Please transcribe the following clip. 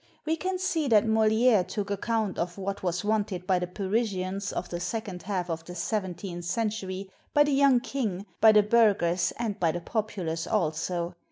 We can see that Moliere took account of what was wanted by the Parisians of the second half of the seventeenth century, by the young King, by the burghers, and by the populace also.